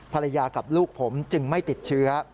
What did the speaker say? ภรรยากับลูกผมจึงไม่ติดเชื้อ